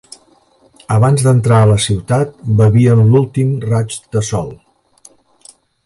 Abans d'entrar a la ciutat bevien l'últim raig de sol